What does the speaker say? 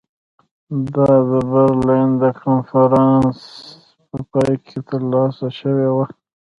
دا د برلین د کنفرانس په پای کې ترلاسه شوې وه.